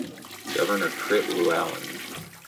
Governor Crit Luallen.